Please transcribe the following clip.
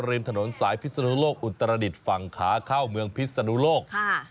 ริมถนนสายพิศนุโลกอุตรดิษฐ์ฝั่งขาเข้าเมืองพิศนุโลก